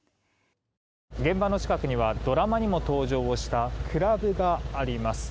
現場の近くにはドラマにも登場したクラブがあります。